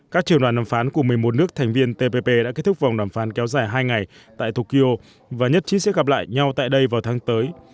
các trường đoàn đàm phán của một mươi một nước thành viên tpp đã kết thúc vòng đàm phán kéo dài hai ngày tại tokyo và nhất trí sẽ gặp lại nhau tại đây vào tháng tới